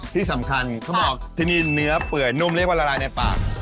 ที่สำคัญเขาบอกที่นี่เนื้อเปื่อยนุ่มเรียกว่าละลายในปาก